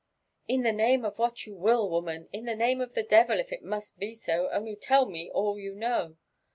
" In the name of what you will, woman^— in the name of the devil, if it must be so, — only tell me all you know."